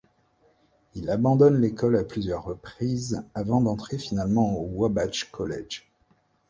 Il abandonne l'école à plusieurs reprises avant d'entrer finalement au Wabash College.